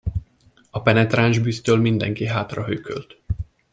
A penetráns bűztől mindenki hátrahőkölt.